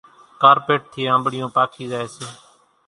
ڪارپيٽ ٿِي آنٻڙِيون پاڪِي زائيَ سي۔